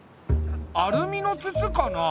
アルミの筒かな？